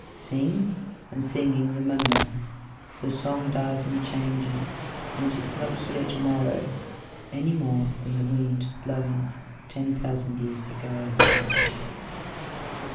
Sing—and singing—rememberYour song dies and changesAnd is not here to morrowAny more than the windBlowing ten thousand years ago.